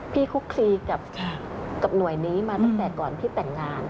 คุกคลีกับหน่วยนี้มาตั้งแต่ก่อนที่แต่งงาน